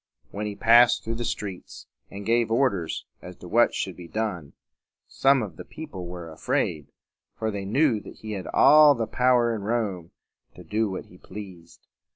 When he passed through the streets, and gave orders as to what should be done, some of the people were afraid, for they knew that he had all power in Rome to do what he pleased.